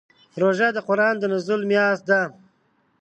روژه د قرآن د نزول میاشت ده.